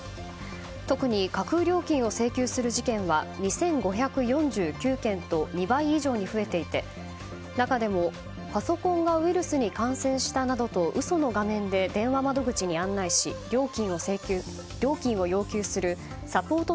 特に架空料金を請求する事件は２５４９件と２倍以上に増えていて中でもパソコンがウイルスに感染したなどと嘘の画面で電話窓口に案内し料金を要求するサポート